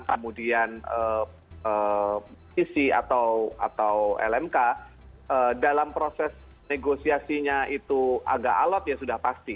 kemudian isi atau lmk dalam proses negosiasinya itu agak alot ya sudah pasti